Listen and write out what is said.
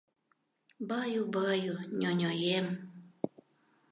Баю, баю, ньоньоем